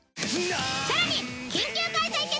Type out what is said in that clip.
さらに緊急開催決定！